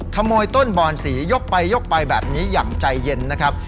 ขโมยต้นบอนสียกไปยกไปแบบนี้อย่างใจเย็นนะครับ